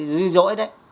dư dỗi đấy